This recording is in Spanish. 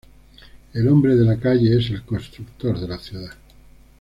El "hombre de la calle es el constructor de la ciudad".